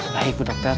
baik bu dokter